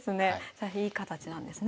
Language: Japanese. じゃあいい形なんですね。